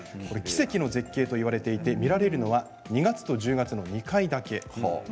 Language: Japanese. これ奇跡の絶景といわれていて見られるのは２月と１０月の２回だけ。